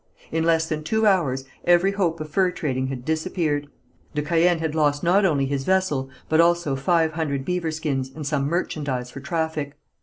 In less than two hours every hope of fur trading had disappeared. De Caën had lost not only his vessel, but also five hundred beaver skins and some merchandise for traffic.